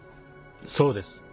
そうです。